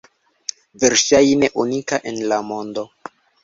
Verŝajne unika en la mondo!